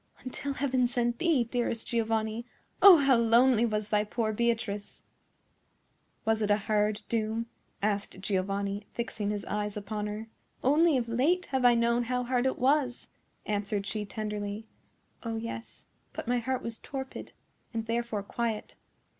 Until Heaven sent thee, dearest Giovanni, oh, how lonely was thy poor Beatrice!" "Was it a hard doom?" asked Giovanni, fixing his eyes upon her. "Only of late have I known how hard it was," answered she, tenderly. "Oh, yes; but my heart was torpid, and therefore quiet."